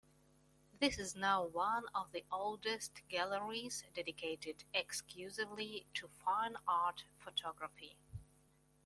This is now one of the oldest galleries dedicated exclusively to fine art photography.